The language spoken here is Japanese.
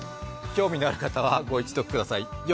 興味のある方は、ご一読ください